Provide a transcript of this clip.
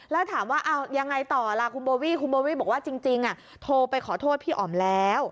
แล้วถามว่าเอายังไงต่อล่ะคุณโบวี่คุณโบวี่บอกว่าจริงโทรไปขอโทษพี่อ๋อมแล้ว